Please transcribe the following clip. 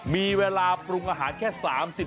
มีเวลาปรุงอาหารแค่๓๐